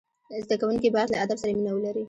زدهکوونکي باید له ادب سره مینه ولري.